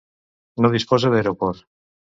No disposa d'aeroport.